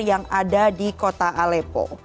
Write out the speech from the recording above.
yang ada di kota alepo